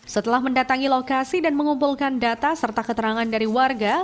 setelah mendatangi lokasi dan mengumpulkan data serta keterangan dari warga